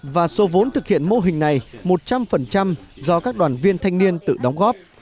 và số vốn thực hiện mô hình này một trăm linh do các đoàn viên thanh niên tự đóng góp